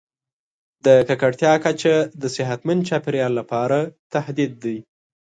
د ککړتیا کچه د صحتمند چاپیریال لپاره تهدید دی.